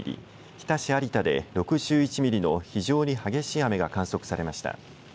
日田市有田で６１ミリの非常に激しい雨が観測されました。